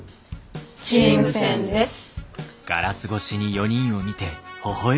チーム戦です。